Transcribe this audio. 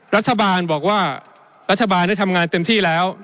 รัฐบาลบอกว่ารัฐบาลได้ทำงานเต็มที่แล้ว